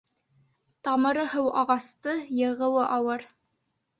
Тамыры һау ағасты йығыуы ауыр.